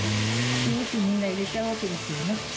蝓璽みんな入れちゃうわけですよね。